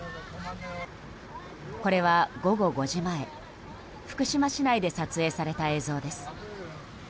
これは午後５時前福島市内で撮影された映像です。